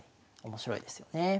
面白いですよね。